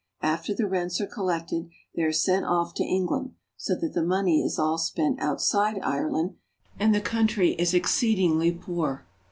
After the rents are collected they are sent off to Eng land, so that the money is all spent outside Ireland and the country is exceedingly poor.